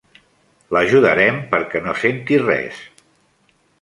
L'ajudarem perquè no senti res.